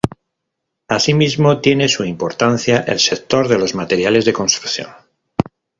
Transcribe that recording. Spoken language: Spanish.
Asimismo tiene su importancia el sector de los materiales de construcción.